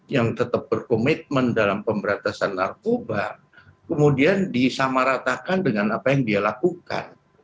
yang tetap berkomitmen dalam pemberantasan narkoba kemudian disamaratakan dengan apa yang dia lakukan